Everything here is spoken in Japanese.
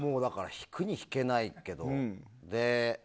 引くに引けないけど。